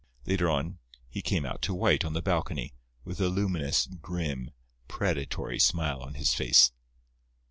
Later on he came out to White on the balcony, with a luminous, grim, predatory smile on his face.